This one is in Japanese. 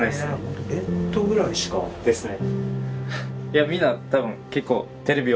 ベッドぐらいしか。ですね。